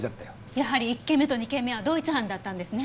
やはり１件目と２件目は同一犯だったんですね？